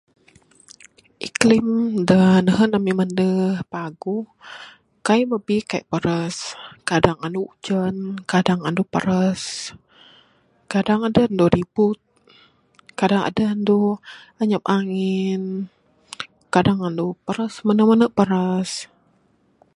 Iklim da nehen ami mende paguh kaik babbi kaik paras. Kadang anu ujan kadang anu paras kadang adeh anu ribut kadang adeh anu anyap angin. Kadang anu paras mene mene paras.